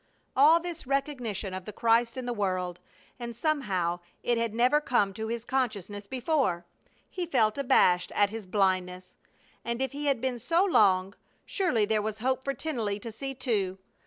All this recognition of the Christ in the world, and somehow it had never come to his consciousness before! He felt abashed at his blindness. And if he had been so long, surely there was hope for Tennelly to see, too.